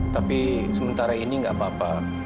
tapi sementara ini nggak apa apa